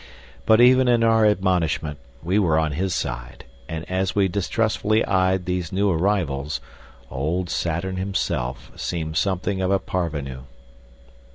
But even in our admonishment we were on his side; and as we distrustfully eyed these new arrivals, old Saturn himself seemed something of a parvenu.